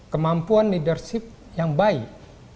kemampuan leadership yang baik